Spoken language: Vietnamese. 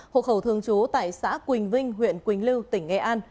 hộ khẩu thường trú tại xã quỳnh vinh huyện quỳnh lưu tỉnh nghệ an